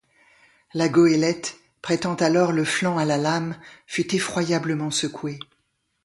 La goëlette, prêtant alors le flanc à la lame, fut effroyablement secouée.